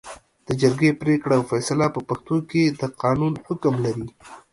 د جرګې پرېکړه او فېصله په پښتو کې د قانون حکم لري